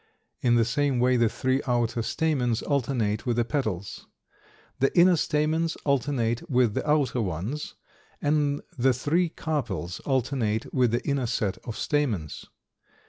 In the same way the three outer stamens alternate with the petals; the inner stamens alternate with the outer ones; and the three carpels alternate with the inner set of stamens.